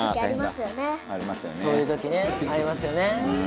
そういう時ねありますよね。